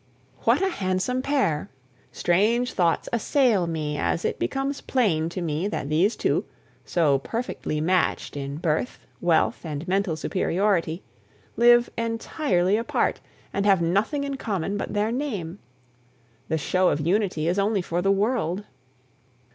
What a handsome pair! Strange thoughts assail me as it becomes plain to me that these two, so perfectly matched in birth, wealth, and mental superiority, live entirely apart, and have nothing in common but their name. The show of unity is only for the world.